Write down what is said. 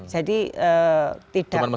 jadi tidak permanen